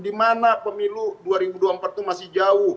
di mana pemilu dua ribu dua puluh empat itu masih jauh